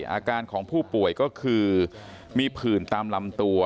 อาการของผู้ป่วยก็คือมีผื่นตามลำตัว